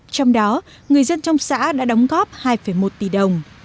trong đó người dân trong xã đã đóng góp hai một tỷ đồng